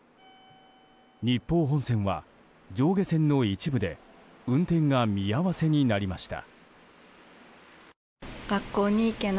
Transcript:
日豊本線は上下線の一部で運転が見合わせになりました。